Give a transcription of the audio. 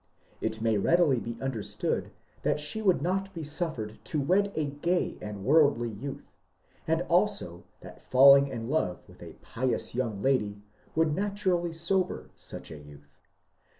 It may readily be imderstood that she would not be suffered to wed a gay and worldly youth, and also that falling in love with a pious young lady would naturally sober such a youth.